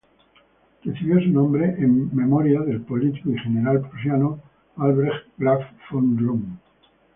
Recibió su nombre en memoria del político y general prusiano Albrecht Graf von Roon.